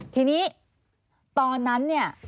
ทีนี้ตอนนั้น